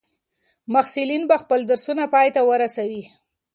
محصلین به خپل درسونه پای ته ورسوي.